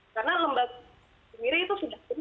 karena lembaga sendiri itu